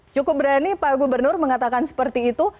cukup berani pak gubernur mengatakan seperti itu